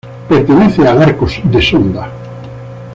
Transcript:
Pertenece al Arco de Sonda.